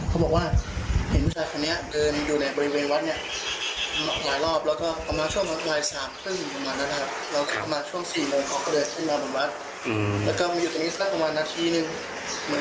คือเขาไม่ได้เดินไปทางหมู่อื่นแต่เขาเดินจอดลงเข้าไปในภูมิเหลือ